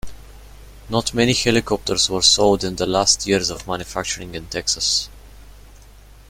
Not many helicopters were sold in the last years of manufacturing in Texas.